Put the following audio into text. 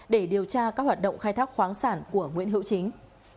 để điều tra các hoạt động khai thác khoáng sản của nguyễn hữu chính